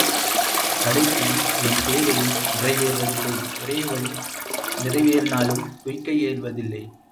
கடைசியில் இவன் தேவையும் நிறைவேறுவதில்லை ஒரோவழி நிறைவேறினாலும் துய்க்க இயல்வதில்லை.